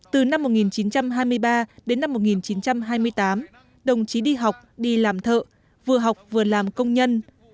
từ năm một nghìn chín trăm hai mươi ba đến năm một nghìn chín trăm hai mươi tám đồng chí đi học đi làm thợ vừa học vừa làm công nhân